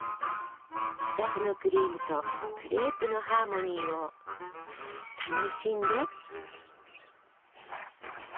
２つのクリームとクレープのハーモニーを楽しんで。